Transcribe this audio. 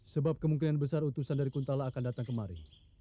sebab kemungkinan besar utusan dari kuntala akan datang kemari